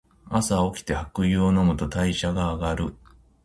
朝おきて白湯を飲むと代謝が上がる。